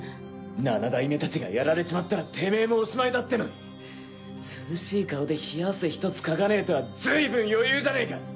七代目たちがやられちまったらテメエもおしまいだってのに涼しい顔で冷や汗ひとつかかねえとはずいぶん余裕じゃねえか！